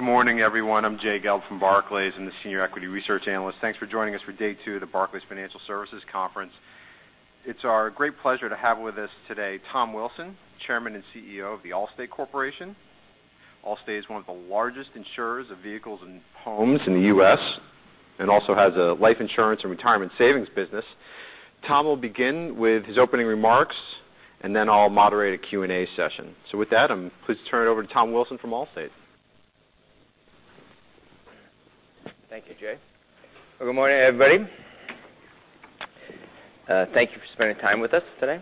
Good morning, everyone. I'm Jay Gelb from Barclays. I'm the Senior Equity Research Analyst. Thanks for joining us for day 2 of the Barclays Financial Services Conference. It's our great pleasure to have with us today, Tom Wilson, Chairman and CEO of The Allstate Corporation. Allstate is one of the largest insurers of vehicles and homes in the U.S., and also has a life insurance and retirement savings business. Tom will begin with his opening remarks, then I'll moderate a Q&A session. With that, please turn it over to Tom Wilson from Allstate. Thank you, Jay. Good morning, everybody. Thank you for spending time with us today.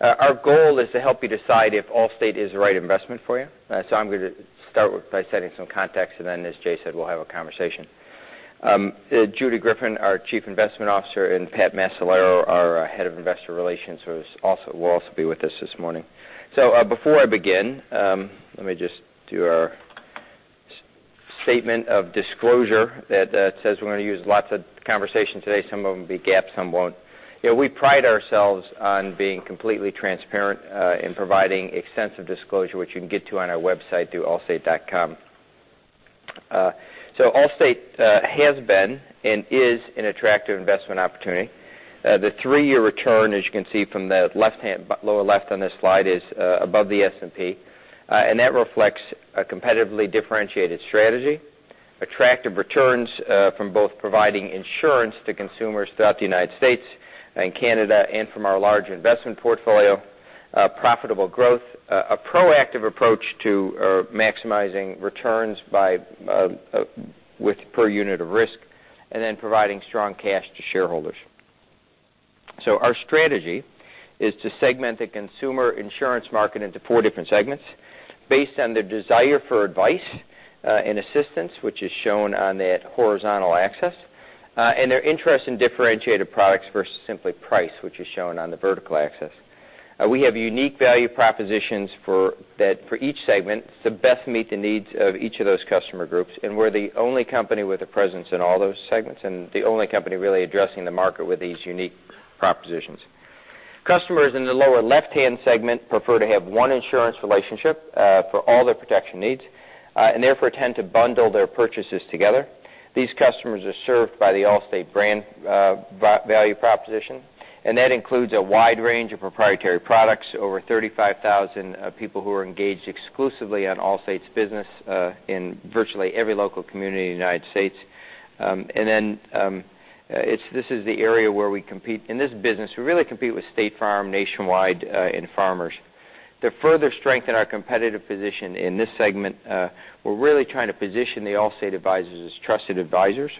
Our goal is to help you decide if Allstate is the right investment for you. I'm going to start by setting some context, then, as Jay said, we'll have a conversation. Judy Griffin, our Chief Investment Officer, and Pat Macellaro, our Head of Investor Relations, will also be with us this morning. Before I begin, let me just do our statement of disclosure that says we're going to use lots of conversation today. Some of them will be GAAP, some won't. We pride ourselves on being completely transparent in providing extensive disclosure, which you can get to on our website through allstate.com. Allstate has been and is an attractive investment opportunity. The three-year return, as you can see from the lower left on this slide, is above the S&P. That reflects a competitively differentiated strategy, attractive returns from both providing insurance to consumers throughout the United States and Canada, and from our large investment portfolio, profitable growth, a proactive approach to maximizing returns per unit of risk, then providing strong cash to shareholders. Our strategy is to segment the consumer insurance market into four different segments based on their desire for advice and assistance, which is shown on that horizontal axis, and their interest in differentiated products versus simply price, which is shown on the vertical axis. We have unique value propositions for each segment to best meet the needs of each of those customer groups, and we're the only company with a presence in all those segments, and the only company really addressing the market with these unique propositions. Customers in the lower left-hand segment prefer to have one insurance relationship for all their protection needs, and therefore tend to bundle their purchases together. These customers are served by the Allstate brand value proposition, and that includes a wide range of proprietary products, over 35,000 people who are engaged exclusively on Allstate's business in virtually every local community in the United States. In this business, we really compete with State Farm, Nationwide, and Farmers. To further strengthen our competitive position in this segment, we're really trying to position the Allstate advisors as trusted advisors.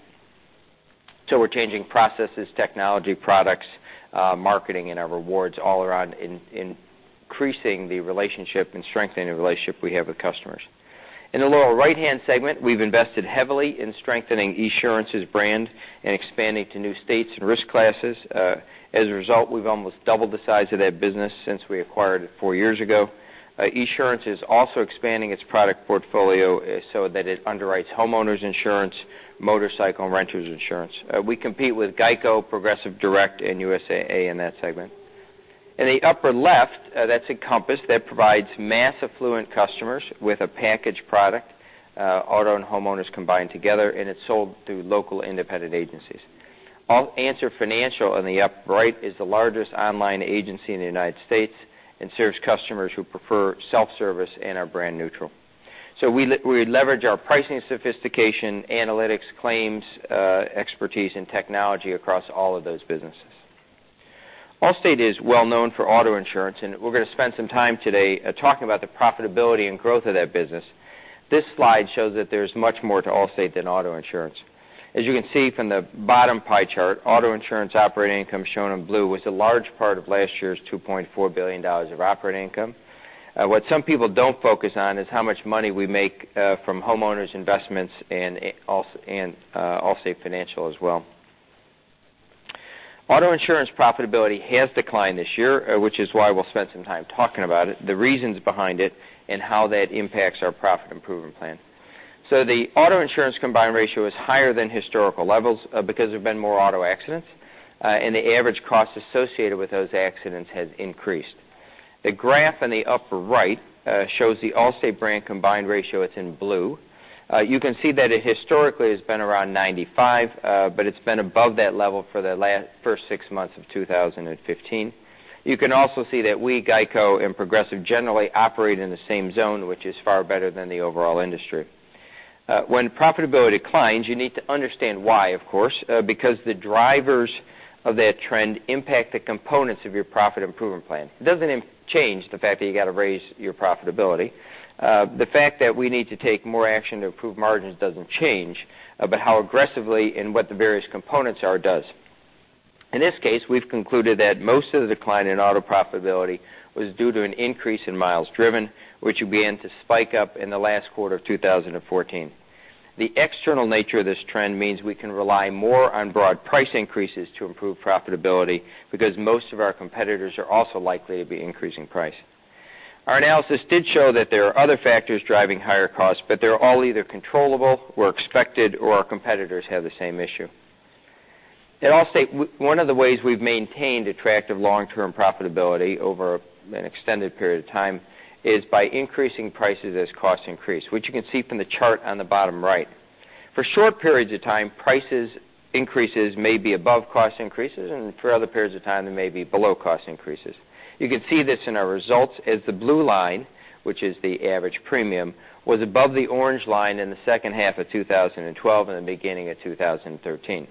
We're changing processes, technology, products, marketing, and our Allstate Rewards all around increasing the relationship and strengthening the relationship we have with customers. In the lower right-hand segment, we've invested heavily in strengthening Esurance's brand and expanding to new states and risk classes. As a result, we've almost doubled the size of that business since we acquired it four years ago. Esurance is also expanding its product portfolio so that it underwrites homeowners insurance, motorcycle, and renters insurance. We compete with GEICO, Progressive, Direct, and USAA in that segment. In the upper left, that's Encompass. That provides mass affluent customers with a package product, auto and homeowners combined together, and it's sold through local independent agencies. Answer Financial in the upper right is the largest online agency in the U.S. and serves customers who prefer self-service and are brand neutral. We leverage our pricing sophistication, analytics, claims expertise, and technology across all of those businesses. Allstate is well known for auto insurance, and we're going to spend some time today talking about the profitability and growth of that business. This slide shows that there's much more to Allstate than auto insurance. As you can see from the bottom pie chart, auto insurance operating income, shown in blue, was a large part of last year's $2.4 billion of operating income. What some people don't focus on is how much money we make from homeowners investments in Allstate Financial as well. Auto insurance profitability has declined this year, which is why we'll spend some time talking about it, the reasons behind it, and how that impacts our profit improvement plan. The auto insurance combined ratio is higher than historical levels because there have been more auto accidents, and the average cost associated with those accidents has increased. The graph in the upper right shows the Allstate brand combined ratio. It's in blue. You can see that it historically has been around 95, but it's been above that level for the first six months of 2015. You can also see that we, GEICO, and Progressive generally operate in the same zone, which is far better than the overall industry. When profitability declines, you need to understand why, of course, because the drivers of that trend impact the components of your profit improvement plan. It doesn't change the fact that you got to raise your profitability. The fact that we need to take more action to improve margins doesn't change, but how aggressively and what the various components are does. In this case, we've concluded that most of the decline in auto profitability was due to an increase in miles driven, which began to spike up in the last quarter of 2014. The external nature of this trend means we can rely more on broad price increases to improve profitability because most of our competitors are also likely to be increasing price. Our analysis did show that there are other factors driving higher costs, but they're all either controllable or expected, or our competitors have the same issue. At Allstate, one of the ways we've maintained attractive long-term profitability over an extended period of time is by increasing prices as costs increase, which you can see from the chart on the bottom right. For short periods of time, price increases may be above cost increases, and for other periods of time, they may be below cost increases. You can see this in our results as the blue line, which is the average premium, was above the orange line in the second half of 2012 and the beginning of 2013.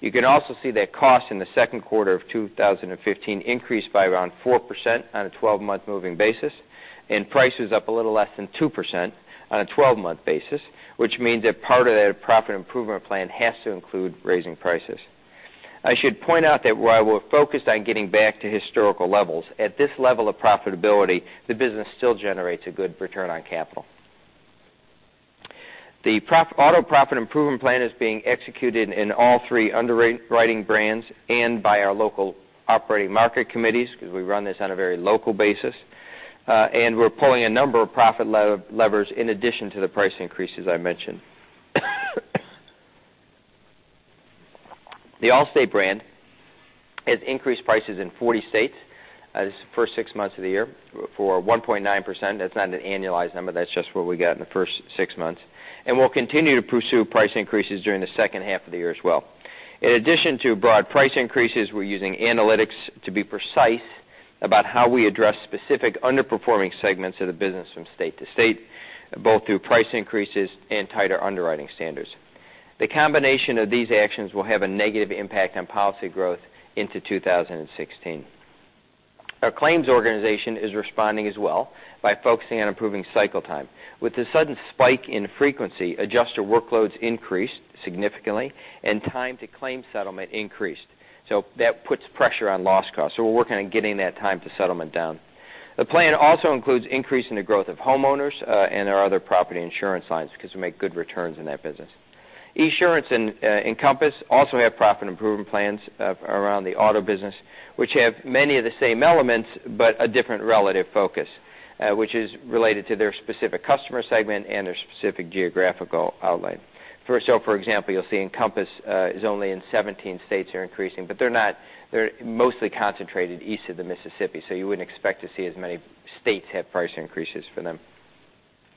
You can also see that costs in the second quarter of 2015 increased by around 4% on a 12-month moving basis, and prices up a little less than 2% on a 12-month basis, which means that part of that profit improvement plan has to include raising prices. I should point out that while we're focused on getting back to historical levels, at this level of profitability, the business still generates a good return on capital. The auto profit improvement plan is being executed in all three underwriting brands and by our local operating market committees because we run this on a very local basis. We're pulling a number of profit levers in addition to the price increases I mentioned. The Allstate brand has increased prices in 40 states this first six months of the year for 1.9%. That's not an annualized number. That's just what we got in the first six months. We'll continue to pursue price increases during the second half of the year as well. In addition to broad price increases, we're using analytics to be precise about how we address specific underperforming segments of the business from state to state, both through price increases and tighter underwriting standards. The combination of these actions will have a negative impact on policy growth into 2016. Our claims organization is responding as well by focusing on improving cycle time. With the sudden spike in frequency, adjuster workloads increased significantly, and time to claim settlement increased. That puts pressure on loss costs. We're working on getting that time to settlement down. The plan also includes increasing the growth of homeowners and our other property insurance lines because we make good returns in that business. Esurance and Encompass also have profit improvement plans around the auto business, which have many of the same elements, but a different relative focus, which is related to their specific customer segment and their specific geographical outlay. For example, you'll see Encompass is only in 17 states are increasing, but they're mostly concentrated east of the Mississippi, so you wouldn't expect to see as many states have price increases for them.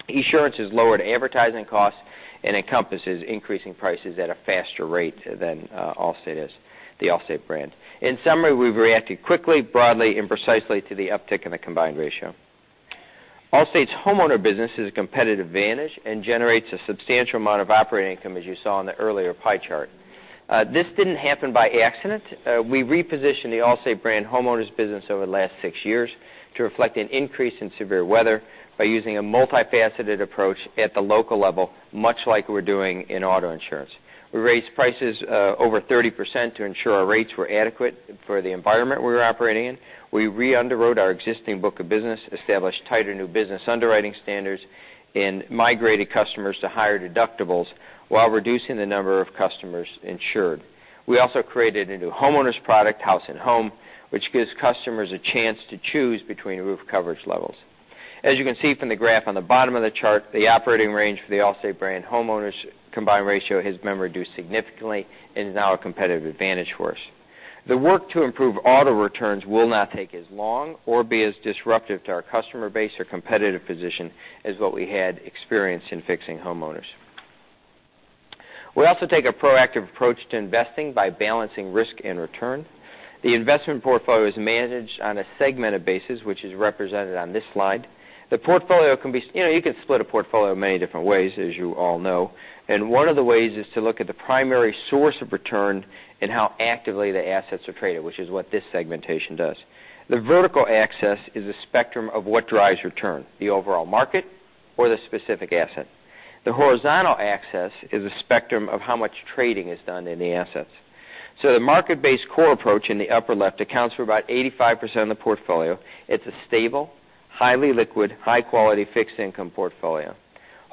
Esurance has lowered advertising costs, and Encompass is increasing prices at a faster rate than the Allstate brand. In summary, we've reacted quickly, broadly, and precisely to the uptick in the combined ratio. Allstate's homeowner business is a competitive advantage and generates a substantial amount of operating income, as you saw in the earlier pie chart. This didn't happen by accident. We repositioned the Allstate brand homeowners business over the last six years to reflect an increase in severe weather by using a multifaceted approach at the local level, much like we're doing in auto insurance. We raised prices over 30% to ensure our rates were adequate for the environment we were operating in. We re-underwrote our existing book of business, established tighter new business underwriting standards, and migrated customers to higher deductibles while reducing the number of customers insured. We also created a new homeowners product, House and Home, which gives customers a chance to choose between roof coverage levels. As you can see from the graph on the bottom of the chart, the operating range for the Allstate brand homeowners combined ratio has been reduced significantly and is now a competitive advantage for us. The work to improve auto returns will not take as long or be as disruptive to our customer base or competitive position as what we had experienced in fixing homeowners. We also take a proactive approach to investing by balancing risk and return. The investment portfolio is managed on a segmented basis, which is represented on this slide. You can split a portfolio many different ways, as you all know, and one of the ways is to look at the primary source of return and how actively the assets are traded, which is what this segmentation does. The vertical axis is a spectrum of what drives return, the overall market or the specific asset. The horizontal axis is a spectrum of how much trading is done in the assets. The market-based core approach in the upper left accounts for about 85% of the portfolio. It's a stable, highly liquid, high-quality fixed income portfolio.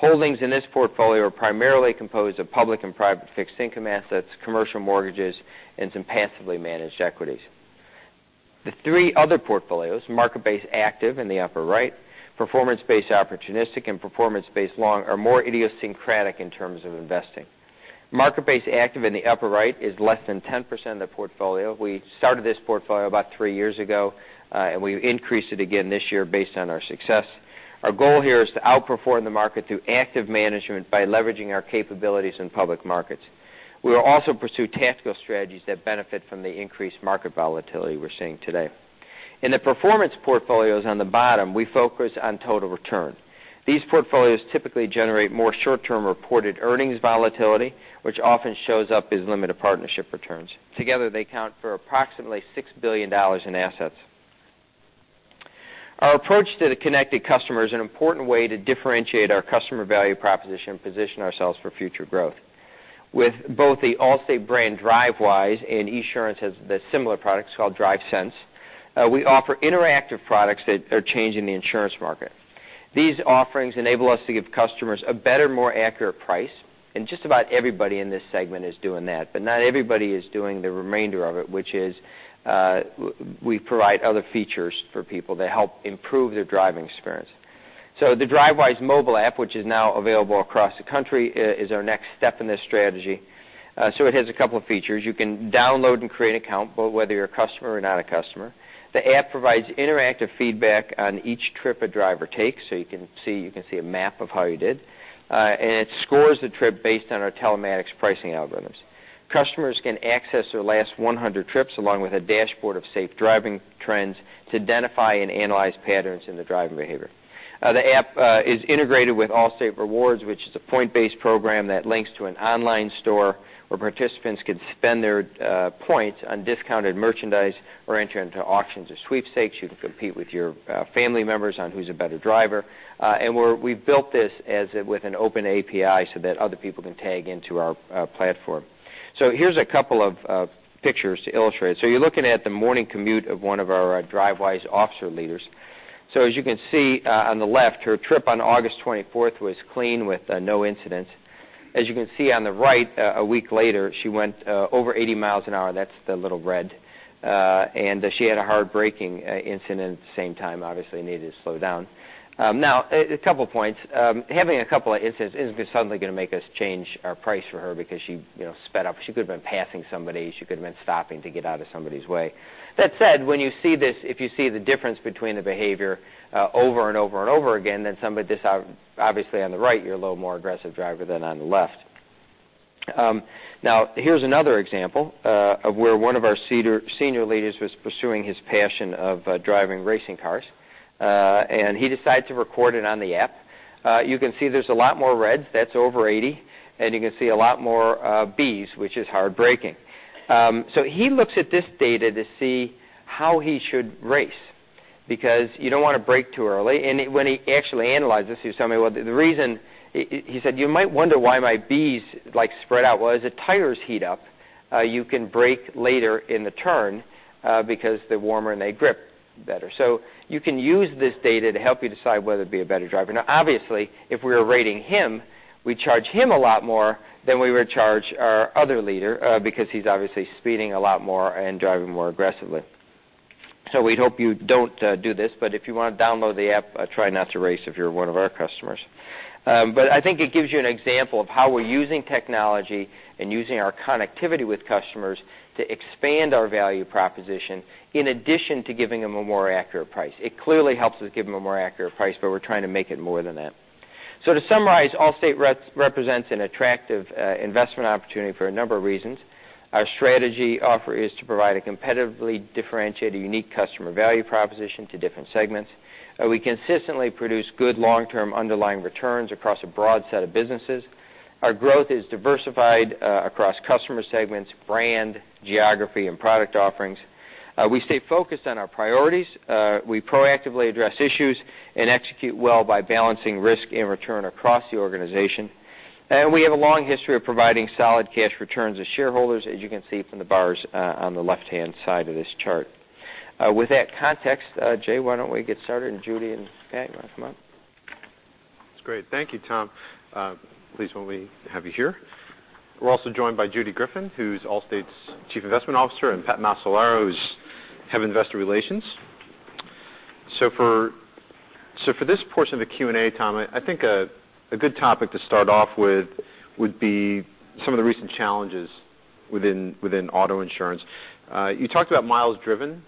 Holdings in this portfolio are primarily composed of public and private fixed income assets, commercial mortgages, and some passively managed equities. The three other portfolios, market-based active in the upper right, performance-based opportunistic, and performance-based long, are more idiosyncratic in terms of investing. Market-based active in the upper right is less than 10% of the portfolio. We started this portfolio about three years ago, and we increased it again this year based on our success. Our goal here is to outperform the market through active management by leveraging our capabilities in public markets. We will also pursue tactical strategies that benefit from the increased market volatility we're seeing today. In the performance portfolios on the bottom, we focus on total return. These portfolios typically generate more short-term reported earnings volatility, which often shows up as limited partnership returns. Together, they account for approximately $6 billion in assets. Our approach to the connected customer is an important way to differentiate our customer value proposition and position ourselves for future growth. With both the Allstate brand Drivewise and Esurance has the similar product, it's called DriveSense, we offer interactive products that are changing the insurance market. These offerings enable us to give customers a better, more accurate price. Just about everybody in this segment is doing that. Not everybody is doing the remainder of it, which is, we provide other features for people that help improve their driving experience. The Drivewise mobile app, which is now available across the country, is our next step in this strategy. It has a couple of features. You can download and create an account, whether you're a customer or not a customer. The app provides interactive feedback on each trip a driver takes. You can see a map of how you did. It scores the trip based on our telematics pricing algorithms. Customers can access their last 100 trips, along with a dashboard of safe driving trends to identify and analyze patterns in the driving behavior. The app is integrated with Allstate Rewards, which is a point-based program that links to an online store where participants can spend their points on discounted merchandise or enter into auctions or sweepstakes. You can compete with your family members on who's a better driver. We've built this with an open API so that other people can tag into our platform. Here's a couple of pictures to illustrate. You're looking at the morning commute of one of our Drivewise officer leaders. As you can see on the left, her trip on August 24th was clean with no incidents. As you can see on the right, a week later, she went over 80 miles an hour. That's the little red. She had a hard braking incident at the same time, obviously needed to slow down. A couple of points. Having a couple of incidents isn't suddenly going to make us change our price for her because she sped up. She could have been passing somebody. She could have been stopping to get out of somebody's way. That said, when you see this, if you see the difference between the behavior over and over and over again, then obviously on the right, you're a little more aggressive driver than on the left. Here's another example of where one of our senior leaders was pursuing his passion of driving racing cars. He decided to record it on the app. You can see there's a lot more reds. That's over 80. You can see a lot more Bs, which is hard braking. He looks at this data to see how he should race because you don't want to brake too early. When he actually analyzed this, he was telling me, well, he said, "You might wonder why my Bs spread out. Well, as the tires heat up, you can brake later in the turn because they're warmer, and they grip better." You can use this data to help you decide whether to be a better driver. Obviously, if we were rating him, we'd charge him a lot more than we would charge our other leader because he's obviously speeding a lot more and driving more aggressively. We hope you don't do this, but if you want to download the app, try not to race if you're one of our customers. I think it gives you an example of how we're using technology and using our connectivity with customers to expand our value proposition in addition to giving them a more accurate price. It clearly helps us give them a more accurate price, but we're trying to make it more than that. To summarize, Allstate represents an attractive investment opportunity for a number of reasons. Our strategy offer is to provide a competitively differentiated, unique customer value proposition to different segments. We consistently produce good long-term underlying returns across a broad set of businesses. Our growth is diversified across customer segments, brand, geography, and product offerings. We stay focused on our priorities. We proactively address issues and execute well by balancing risk and return across the organization. We have a long history of providing solid cash returns to shareholders, as you can see from the bars on the left-hand side of this chart. With that context, Jay, why don't we get started, and Judy and Pat, you want to come up? That's great. Thank you, Tom. Pleased when we have you here. We're also joined by Judy Griffin, who's Allstate's Chief Investment Officer, and Pat Macellaro, who's Head of Investor Relations. For this portion of the Q&A, Tom, I think a good topic to start off with would be some of the recent challenges within auto insurance. You talked about miles driven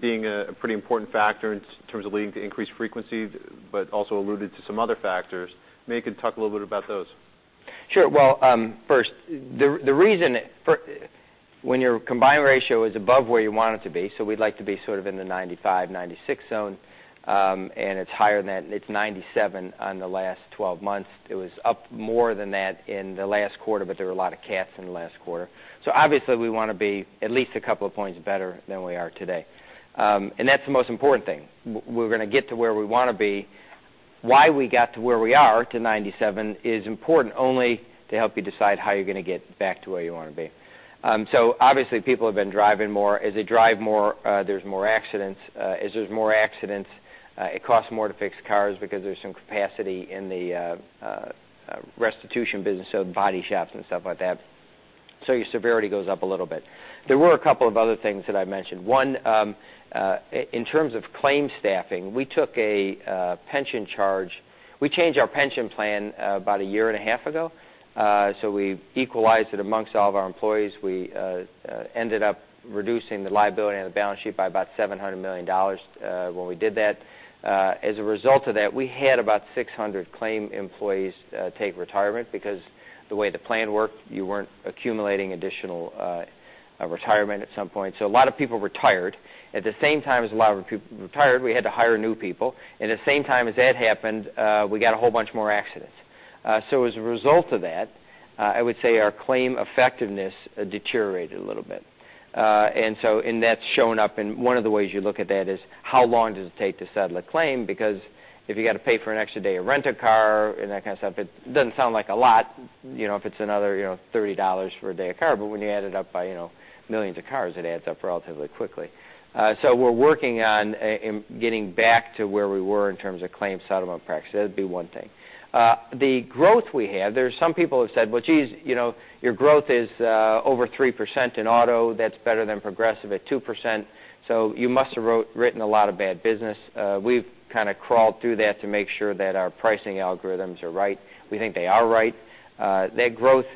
being a pretty important factor in terms of leading to increased frequency, but also alluded to some other factors. Maybe you could talk a little bit about those. Sure. Well, first, the reason when your combined ratio is above where you want it to be, we'd like to be sort of in the 95, 96 zone, and it's higher than that. It's 97 on the last 12 months. It was up more than that in the last quarter, but there were a lot of cats in the last quarter. Obviously, we want to be at least a couple of points better than we are today. That's the most important thing. We're going to get to where we want to be. Why we got to where we are, to 97, is important only to help you decide how you're going to get back to where you want to be. Obviously, people have been driving more. As they drive more, there's more accidents. As there's more accidents, it costs more to fix cars because there's some capacity in the restitution business, the body shops and stuff like that. Your severity goes up a little bit. There were a couple of other things that I mentioned. One, in terms of claim staffing, we took a pension charge. We changed our pension plan about a year and a half ago. We equalized it amongst all of our employees. We ended up reducing the liability on the balance sheet by about $700 million when we did that. As a result of that, we had about 600 claim employees take retirement because the way the plan worked, you weren't accumulating additional retirement at some point. A lot of people retired. At the same time as a lot of people retired, we had to hire new people. At the same time as that happened, we got a whole bunch more accidents. As a result of that, I would say our claim effectiveness deteriorated a little bit. That's shown up in one of the ways you look at that is how long does it take to settle a claim because if you got to pay for an extra day of rent a car and that kind of stuff, it doesn't sound like a lot, if it's another $30 for a day of car. When you add it up by millions of cars, it adds up relatively quickly. We're working on getting back to where we were in terms of claims settlement practices. That'd be one thing. The growth we had, there's some people have said, "Well, geez, your growth is over 3% in auto. That's better than Progressive at 2%. You must have written a lot of bad business. We've kind of crawled through that to make sure that our pricing algorithms are right. We think they are right. That growth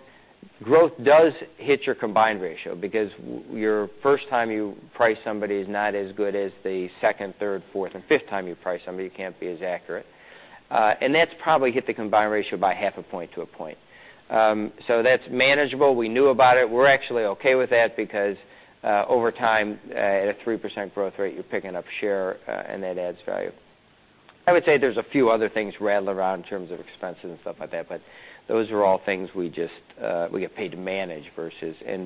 does hit your combined ratio because your first time you price somebody is not as good as the second, third, fourth, and fifth time you price somebody, you can't be as accurate. That's probably hit the combined ratio by half a point to a point. That's manageable. We knew about it. We're actually okay with that because over time, at a 3% growth rate, you're picking up share, and that adds value. I would say there's a few other things rattling around in terms of expenses and stuff like that. Those are all things we get paid to manage.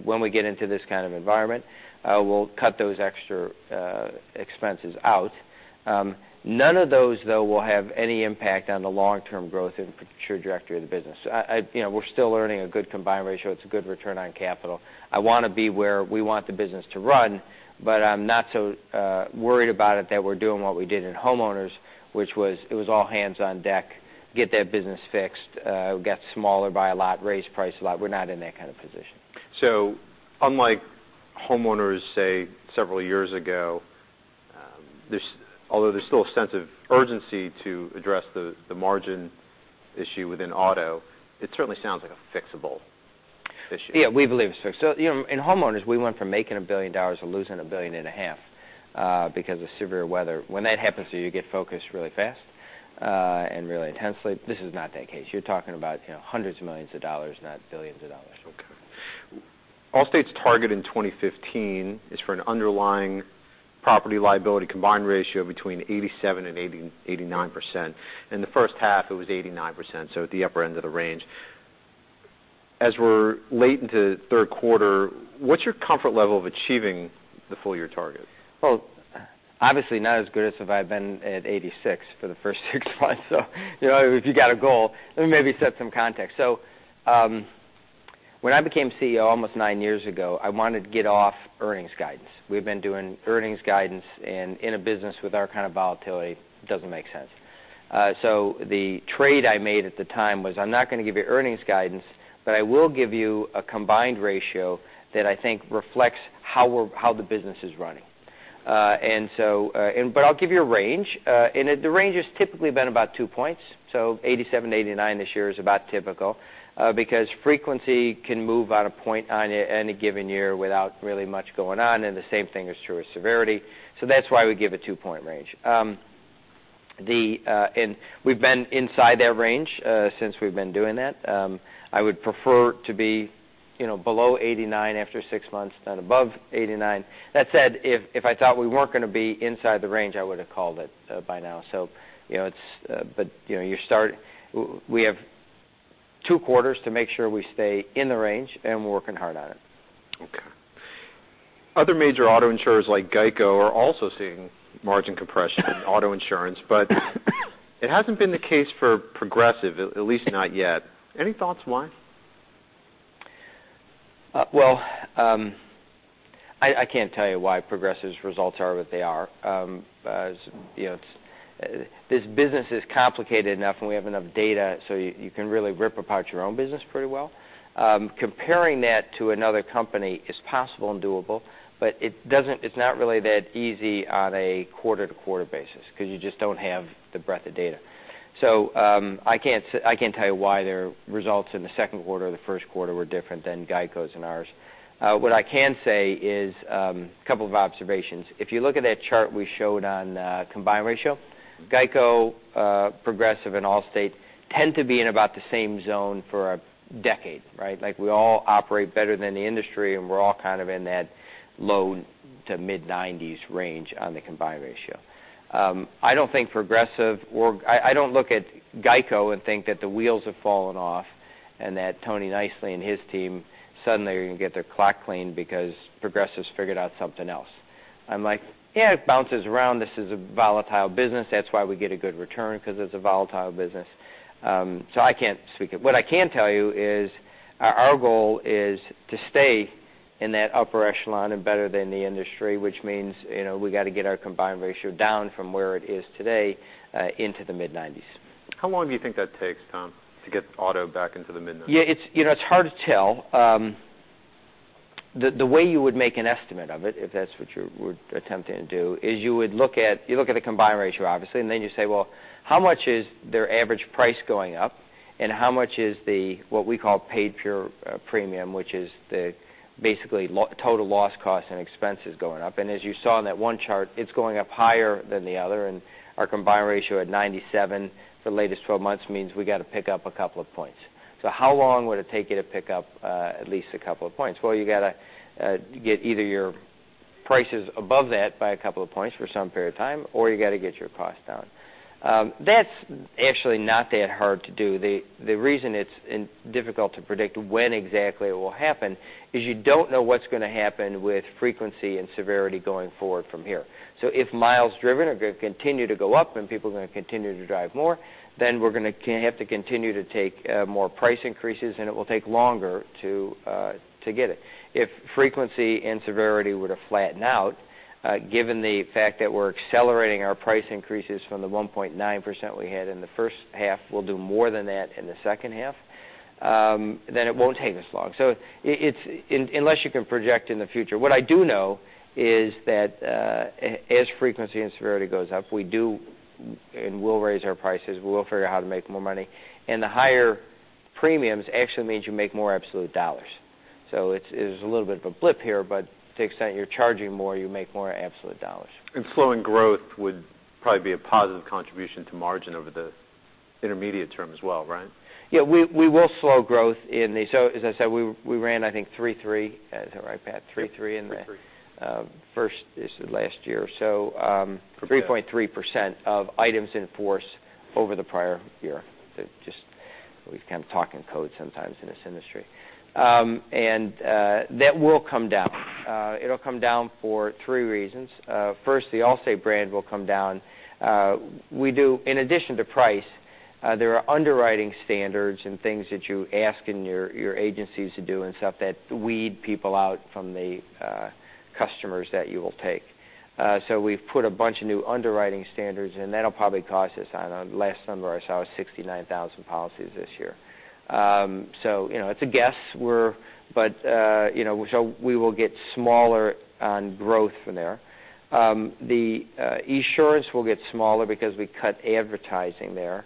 When we get into this kind of environment, we'll cut those extra expenses out. None of those, though, will have any impact on the long-term growth and future trajectory of the business. We're still earning a good combined ratio. It's a good return on capital. I want to be where we want the business to run. I'm not so worried about it that we're doing what we did in homeowners, which was it was all hands on deck, get that business fixed, got smaller by a lot, raised price a lot. We're not in that kind of position. Unlike homeowners, say, several years ago, although there's still a sense of urgency to address the margin issue within auto, it certainly sounds like a fixable issue. Yeah, we believe it's fixable. In homeowners, we went from making $1 billion to losing a billion and a half because of severe weather. When that happens to you get focused really fast and really intensely. This is not that case. You're talking about hundreds of millions of dollars, not billions of dollars. Allstate's target in 2015 is for an underlying property liability combined ratio between 87%-89%. In the first half, it was 89%, so at the upper end of the range. As we're late into the third quarter, what's your comfort level of achieving the full year target? Well, obviously not as good as if I had been at 86% for the first six months. If you've got a goal, let me maybe set some context. When I became CEO almost nine years ago, I wanted to get off earnings guidance. We've been doing earnings guidance, in a business with our kind of volatility, it doesn't make sense. The trade I made at the time was, I'm not going to give you earnings guidance, I will give you a combined ratio that I think reflects how the business is running. I'll give you a range, and the range has typically been about two points. 87%-89% this year is about typical, because frequency can move on a point on any given year without really much going on, and the same thing is true of severity. That's why we give a two-point range. We've been inside that range since we've been doing that. I would prefer to be below 89% after six months than above 89%. That said, if I thought we weren't going to be inside the range, I would have called it by now. We have two quarters to make sure we stay in the range. We're working hard on it. Other major auto insurers like GEICO are also seeing margin compression in auto insurance, it hasn't been the case for Progressive, at least not yet. Any thoughts why? I can't tell you why Progressive's results are what they are. This business is complicated enough, and we have enough data, so you can really rip apart your own business pretty well. Comparing that to another company is possible and doable, but it's not really that easy on a quarter-to-quarter basis because you just don't have the breadth of data. I can't tell you why their results in the second quarter or the first quarter were different than GEICO's and ours. What I can say is a couple of observations. If you look at that chart we showed on combined ratio, GEICO, Progressive, and Allstate tend to be in about the same zone for a decade, right? We all operate better than the industry, and we're all kind of in that low to mid-90s range on the combined ratio. I don't look at GEICO and think that the wheels have fallen off and that Tony Nicely and his team suddenly are going to get their clock cleaned because Progressive's figured out something else. I'm like, yeah, it bounces around. This is a volatile business. That's why we get a good return because it's a volatile business. I can't speak it. What I can tell you is our goal is to stay in that upper echelon and better than the industry, which means we got to get our combined ratio down from where it is today into the mid-90s. How long do you think that takes, Tom, to get auto back into the mid-90s? Yeah, it's hard to tell. The way you would make an estimate of it, if that's what you were attempting to do, is you look at the combined ratio, obviously, and then you say, well, how much is their average price going up, and how much is the, what we call paid pure premium, which is basically total loss cost and expenses going up. As you saw in that one chart, it's going up higher than the other, and our combined ratio at 97 for the latest 12 months means we got to pick up a couple of points. How long would it take you to pick up at least a couple of points? Well, you got to get either your prices above that by a couple of points for some period of time, or you got to get your cost down. That's actually not that hard to do. The reason it's difficult to predict when exactly it will happen is you don't know what's going to happen with frequency and severity going forward from here. If miles driven are going to continue to go up and people are going to continue to drive more, then we're going to have to continue to take more price increases, and it will take longer to get it. If frequency and severity were to flatten out, given the fact that we're accelerating our price increases from the 1.9% we had in the first half, we'll do more than that in the second half. It won't take as long. Unless you can project in the future. What I do know is that as frequency and severity goes up, we do and will raise our prices. We will figure out how to make more money. The higher premiums actually means you make more absolute dollars. It's a little bit of a blip here, but to the extent you're charging more, you make more absolute dollars. Slowing growth would probably be a positive contribution to margin over the intermediate term as well, right? Yeah, we will slow growth in these. As I said, we ran, I think, 33. Is that right, Pat? 33 in the- 33 First, this last year or so. 3.3% of items in force over the prior year. We kind of talk in code sometimes in this industry. That will come down. It'll come down for three reasons. First, the Allstate brand will come down. In addition to price, there are underwriting standards and things that you ask in your agencies to do and stuff that weed people out from the customers that you will take. We've put a bunch of new underwriting standards, and that'll probably cost us on the last number I saw is 69,000 policies this year. It's a guess. We will get smaller on growth from there. Esurance will get smaller because we cut advertising there.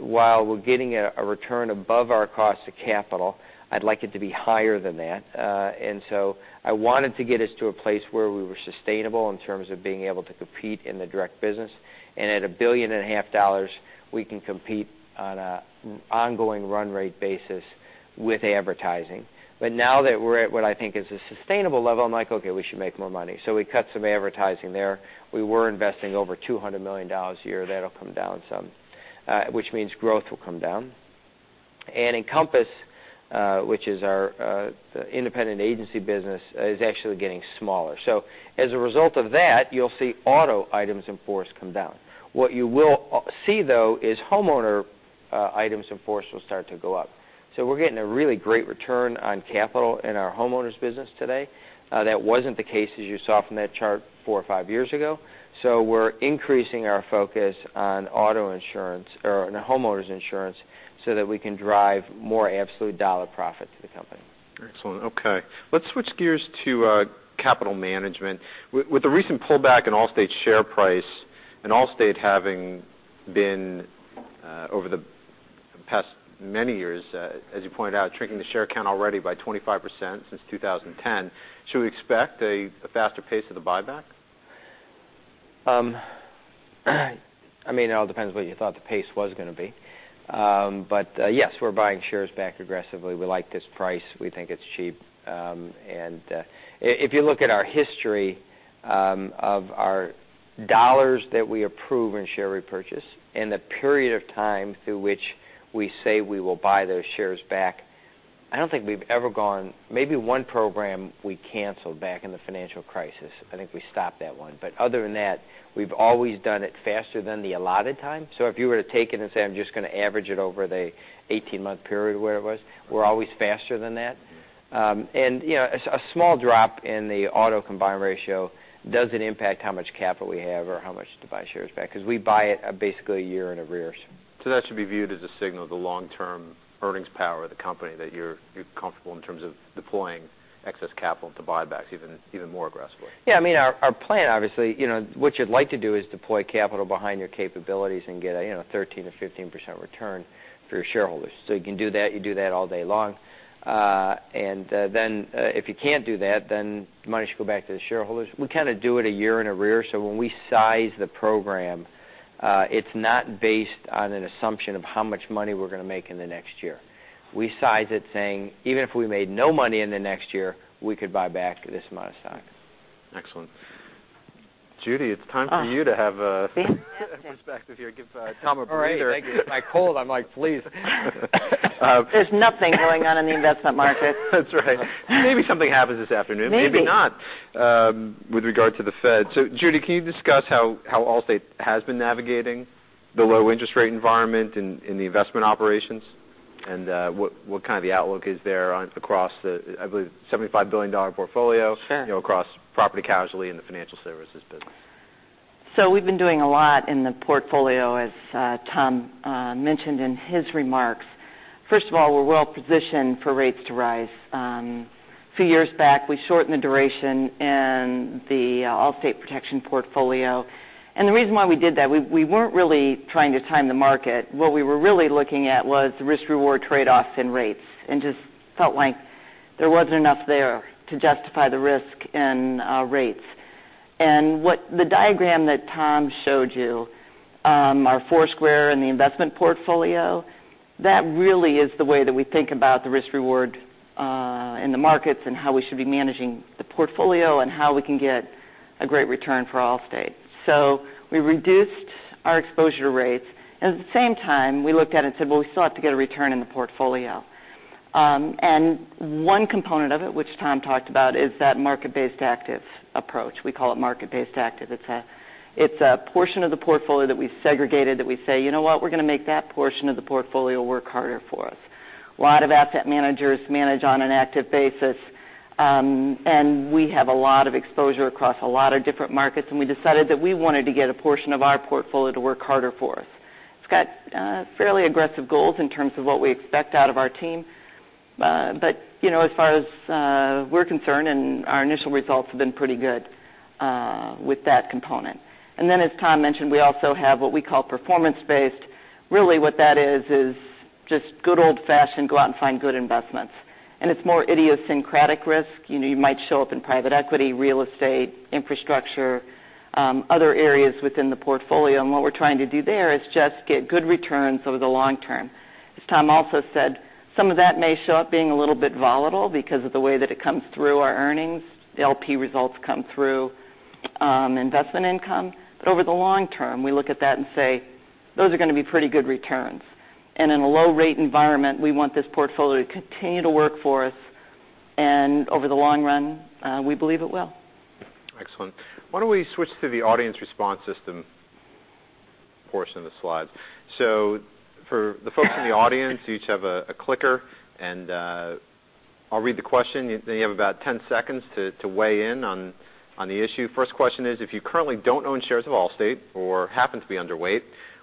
While we're getting a return above our cost to capital, I'd like it to be higher than that. I wanted to get us to a place where we were sustainable in terms of being able to compete in the direct business. At a billion and a half dollars, we can compete on an ongoing run rate basis with advertising. Now that we're at what I think is a sustainable level, I'm like, okay, we should make more money. We cut some advertising there. We were investing over $200 million a year. That'll come down some, which means growth will come down. Encompass, which is our independent agency business, is actually getting smaller. As a result of that, you'll see auto items in force come down. What you will see, though, is homeowner items in force will start to go up. We're getting a really great return on capital in our homeowners business today. That wasn't the case as you saw from that chart four or five years ago. We're increasing our focus on auto insurance or on homeowners insurance so that we can drive more absolute dollar profit to the company. Excellent. Okay. Let's switch gears to capital management. With the recent pullback in Allstate's share price and Allstate having been, over the past many years, as you pointed out, shrinking the share count already by 25% since 2010, should we expect a faster pace of the buyback? It all depends what you thought the pace was going to be. Yes, we're buying shares back aggressively. We like this price. We think it's cheap. If you look at our history of our $ that we approve in share repurchase and the period of time through which we say we will buy those shares back, I don't think we've ever. Maybe one program we canceled back in the Financial Crisis. I think we stopped that one. Other than that, we've always done it faster than the allotted time. If you were to take it and say, I'm just going to average it over the 18-month period where it was, we're always faster than that. Yeah. A small drop in the auto combined ratio doesn't impact how much capital we have or how much to buy shares back because we buy it basically a year in arrears. That should be viewed as a signal of the long-term earnings power of the company that you're comfortable in terms of deploying excess capital to buybacks even more aggressively. Yeah. Our plan, obviously, what you'd like to do is deploy capital behind your capabilities and get a 13%-15% return for your shareholders. You can do that, you do that all day long. If you can't do that, then the money should go back to the shareholders. We kind of do it a year in arrears. When we size the program, it's not based on an assumption of how much money we're going to make in the next year. We size it saying, even if we made no money in the next year, we could buy back this amount of stock. Excellent. Judy, it's time for you to have a perspective here. Give Tom a breather. All right. Thank you. With my cold, I'm like, please. There's nothing going on in the investment market. That's right. Maybe something happens this afternoon. Maybe. Maybe not, with regard to the Fed. Judy, can you discuss how Allstate has been navigating the low interest rate environment in the investment operations and what kind of the outlook is there across the, I believe $75 billion portfolio- Sure across property casualty and the financial services business? We've been doing a lot in the portfolio, as Tom mentioned in his remarks. First of all, we're well positioned for rates to rise. A few years back, we shortened the duration in the Allstate protection portfolio. The reason why we did that, we weren't really trying to time the market. What we were really looking at was risk-reward trade-offs in rates and just felt like there wasn't enough there to justify the risk in rates. The diagram that Tom showed you, our four-square and the investment portfolio, that really is the way that we think about the risk-reward in the markets and how we should be managing the portfolio and how we can get a great return for Allstate. We reduced our exposure to rates. At the same time, we looked at it and said, well, we still have to get a return in the portfolio. One component of it, which Tom talked about, is that market-based active approach. We call it market-based active. It's a portion of the portfolio that we segregated that we say, you know what? We're going to make that portion of the portfolio work harder for us. A lot of asset managers manage on an active basis. We have a lot of exposure across a lot of different markets, and we decided that we wanted to get a portion of our portfolio to work harder for us. It's got fairly aggressive goals in terms of what we expect out of our team. As far as we're concerned, and our initial results have been pretty good with that component. As Tom mentioned, we also have what we call performance-based. Really what that is just good old fashioned go out and find good investments. It is more idiosyncratic risk. You might show up in private equity, real estate, infrastructure, other areas within the portfolio. What we are trying to do there is just get good returns over the long term. As Tom also said, some of that may show up being a little bit volatile because of the way that it comes through our earnings. The LP results come through investment income. Over the long term, we look at that and say, "Those are going to be pretty good returns." In a low rate environment, we want this portfolio to continue to work for us, and over the long run, we believe it will. Excellent. Why don't we switch to the audience response system portion of the slides? For the folks in the audience, you each have a clicker, and I will read the question, then you have about 10 seconds to weigh in on the issue. First question is, if you currently don't own shares of Allstate or happen to be underweight,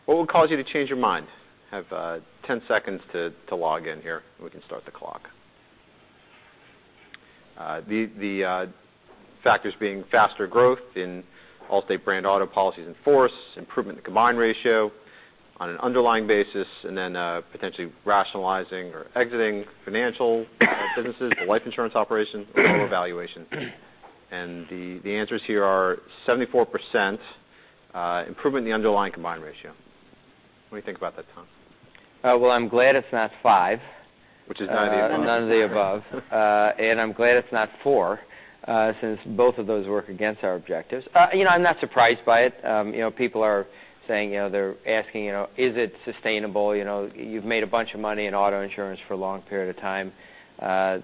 what would cause you to change your mind? Have 10 seconds to log in here, and we can start the clock. The factors being faster growth in Allstate brand auto policies in force, improvement in combined ratio on an underlying basis, then potentially rationalizing or exiting financial businesses or life insurance operations, or lower valuations. The answers here are 74%, improvement in the underlying combined ratio. What do you think about that, Tom? Well, I am glad it is not five. Which is none of the above. None of the above. I'm glad it's not four-square, since both of those work against our objectives. I'm not surprised by it. People are saying, they're asking, "Is it sustainable? You've made a bunch of money in auto insurance for a long period of time.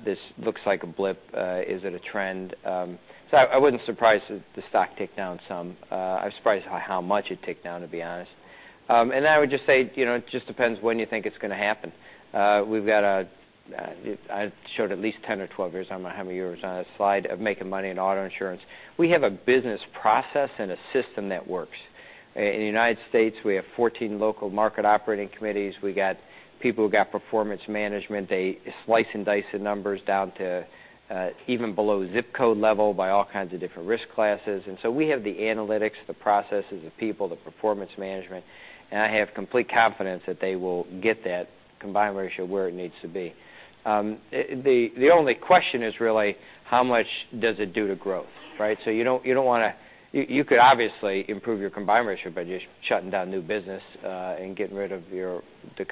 This looks like a blip. Is it a trend?" I wasn't surprised that the stock ticked down some. I was surprised by how much it ticked down, to be honest. I would just say, it just depends when you think it's going to happen. I showed at least 10 or 12 years, I don't know how many years on a slide, of making money in auto insurance. We have a business process and a system that works. In the U.S., we have 14 local market operating committees. We got people who got performance management. They slice and dice the numbers down to even below zip code level by all kinds of different risk classes. We have the analytics, the processes, the people, the performance management, and I have complete confidence that they will get that combined ratio where it needs to be. The only question is really how much does it do to growth, right? You could obviously improve your combined ratio by just shutting down new business, and getting rid of the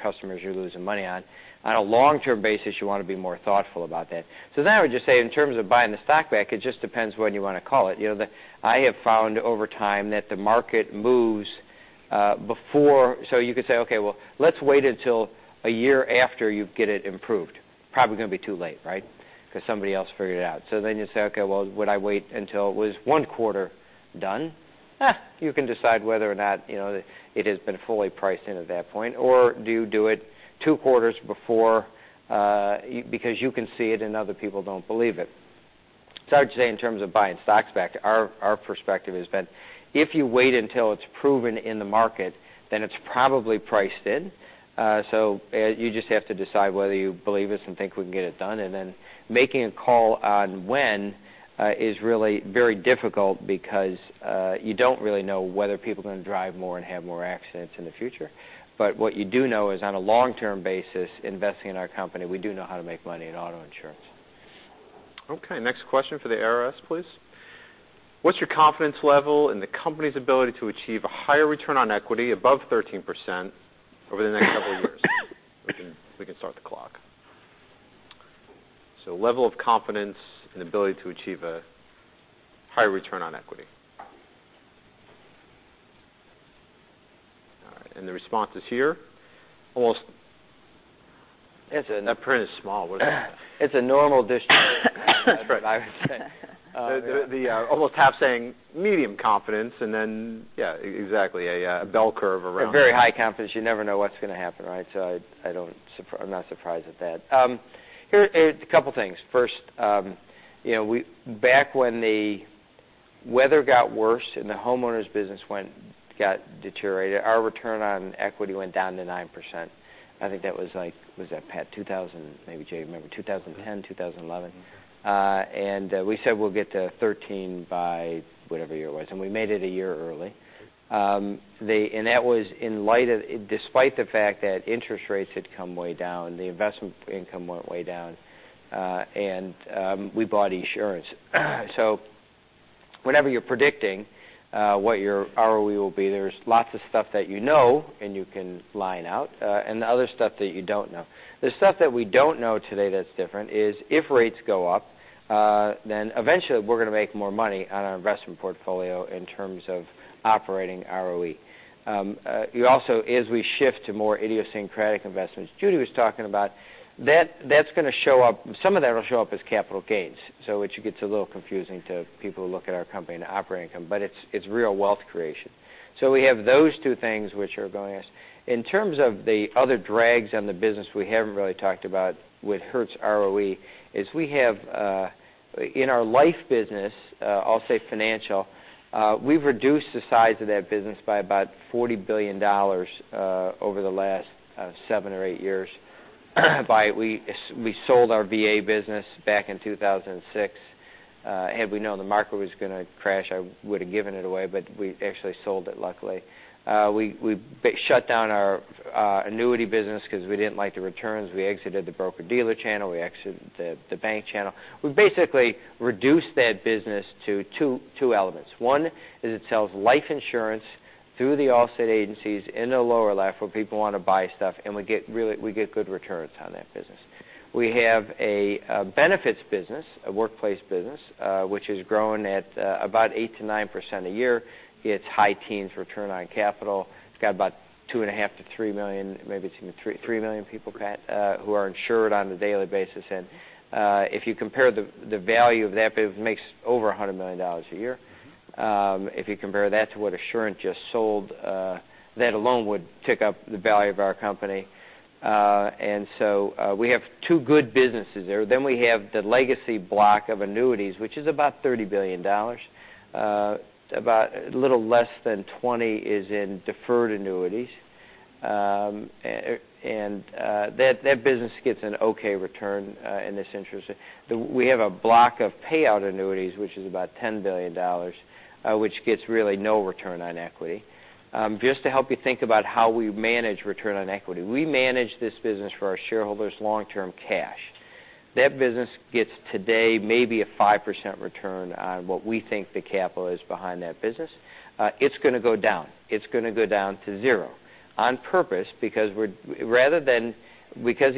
customers you're losing money on. On a long-term basis, you want to be more thoughtful about that. I would just say in terms of buying the stock back, it just depends when you want to call it. I have found over time that the market moves before. You could say, okay, well, let's wait until a year after you get it improved. Probably going to be too late, right? Because somebody else figured it out. You say, okay, well, would I wait until it was one quarter done? Eh, you can decide whether or not it has been fully priced in at that point. Or do you do it two quarters before because you can see it and other people don't believe it. I would just say in terms of buying stocks back, our perspective has been, if you wait until it's proven in the market, then it's probably priced in. You just have to decide whether you believe us and think we can get it done. Making a call on when is really very difficult because you don't really know whether people are going to drive more and have more accidents in the future. What you do know is, on a long-term basis investing in our company, we do know how to make money in auto insurance. Okay. Next question for the ARS, please. What's your confidence level in the company's ability to achieve a higher return on equity above 13% over the next several years? We can start the clock. Level of confidence and ability to achieve a high return on equity. All right, the response is here. That print is small. What is that? It's a normal distribution I would say. Almost half saying medium confidence and then yeah, exactly a bell curve around. A very high confidence. You never know what's going to happen, right? I'm not surprised at that. A couple of things. First, back when the weather got worse and the homeowners business got deteriorated, our return on equity went down to 9%. I think that was like, was that Pat, maybe Jay, you remember 2010, 2011. We said we'll get to 13 by whatever year it was, and we made it a year early. Despite the fact that interest rates had come way down, the investment income went way down. We bought insurance. Whenever you're predicting what your ROE will be, there's lots of stuff that you know and you can line out, and the other stuff that you don't know. The stuff that we don't know today that's different is if rates go up, then eventually we're going to make more money on our investment portfolio in terms of operating ROE. Also, as we shift to more idiosyncratic investments Judy was talking about, some of that'll show up as capital gains. Which it gets a little confusing to people who look at our company and operating income, but it's real wealth creation. We have those two things which are going as. In terms of the other drags on the business we haven't really talked about what hurts ROE is we have in our life business, Allstate Financial. We've reduced the size of that business by about $40 billion over the last seven or eight years. We sold our VA business back in 2006. Had we known the market was going to crash, I would've given it away, we actually sold it, luckily. We shut down our annuity business because we didn't like the returns. We exited the broker-dealer channel. We exited the bank channel. We basically reduced that business to two elements. One is it sells life insurance through the Allstate agencies in the lower left, where people want to buy stuff, and we get good returns on that business. We have a benefits business, a workplace business, which is growing at about 8% to 9% a year. It's high teens return on capital. It's got about 2.5 million to 3 million, maybe it's even 3 million people, Pat, who are insured on a daily basis. If you compare the value of that, it makes over $100 million a year. If you compare that to what Assurant just sold, that alone would take up the value of our company. We have two good businesses there. Then we have the legacy block of annuities, which is about $30 billion. About a little less than $20 billion is in deferred annuities. That business gets an okay return in this interest rate. We have a block of payout annuities, which is about $10 billion, which gets really no return on equity. Just to help you think about how we manage return on equity. We manage this business for our shareholders long-term cash. That business gets, today, maybe a 5% return on what we think the capital is behind that business. It's going to go down. It's going to go down to zero on purpose because these are 40- and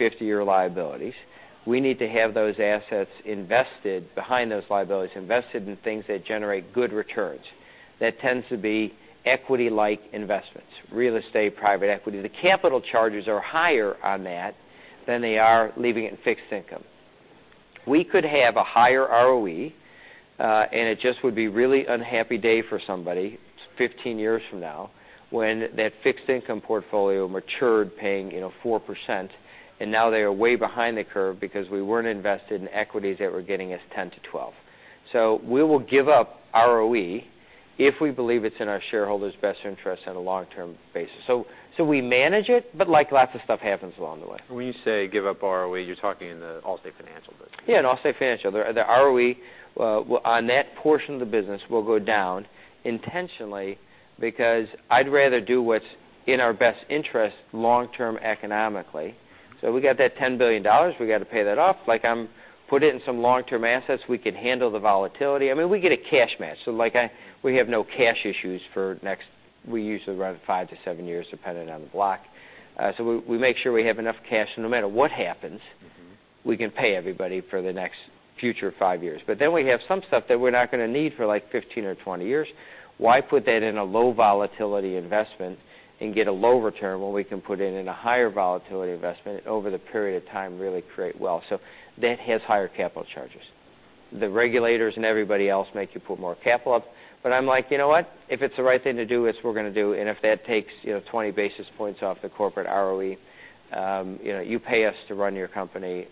50-year liabilities. We need to have those assets behind those liabilities invested in things that generate good returns. That tends to be equity-like investments, real estate, private equity. The capital charges are higher on that than they are leaving it in fixed income. We could have a higher ROE, and it just would be really unhappy day for somebody 15 years from now when that fixed income portfolio matured paying 4%, and now they are way behind the curve because we weren't invested in equities that were getting us 10% to 12%. We will give up ROE if we believe it's in our shareholders' best interest on a long-term basis. We manage it, but lots of stuff happens along the way. When you say give up ROE, you're talking in the Allstate Financial business. Yeah, in Allstate Financial. The ROE on that portion of the business will go down intentionally because I'd rather do what's in our best interest long-term economically. We got that $10 billion. We got to pay that off, put it in some long-term assets. We can handle the volatility. We get a cash match, we have no cash issues for next, we usually run it five to seven years, depending on the block. We make sure we have enough cash, so no matter what happens, we can pay everybody for the next future five years. We have some stuff that we're not going to need for 15 or 20 years. Why put that in a low volatility investment and get a low return when we can put it in a higher volatility investment and over the period of time really create wealth. That has higher capital charges. The regulators and everybody else make you put more capital up. I'm like, "You know what? If it's the right thing to do, it's what we're going to do, and if that takes 20 basis points off the corporate ROE, you pay us to run your company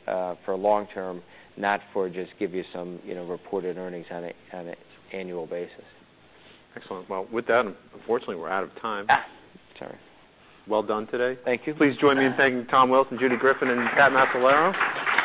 for long-term, not for just give you some reported earnings on an annual basis. Excellent. Well, with that, unfortunately, we're out of time. Sorry. Well done today. Thank you. Please join me in thanking Tom Wilson, Judy Griffin, and Pat Macellaro.